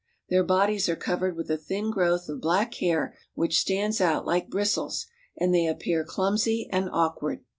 Their bodies are covered with a thin growth of black hair which stands out like bristles, and they appear clumsy and awkward.